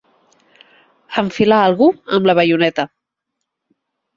Enfilar algú amb la baioneta.